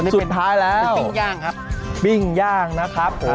สุดท้ายแล้วอันนี้เป็นปิ้งย่างครับ